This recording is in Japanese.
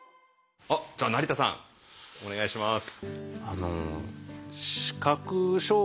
あっじゃあ成田さんお願いします。